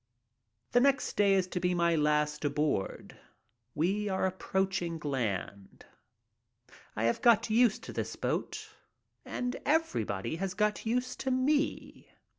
The next day is to be the last aboard. We are approaching land. I have got used to the boat and everybody has got used to me.